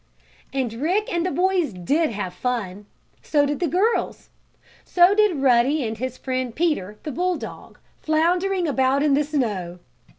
And Rick and the boys did have fun. So did the girls. So did Ruddy and his friend Peter, the bulldog, floundering about in the snow.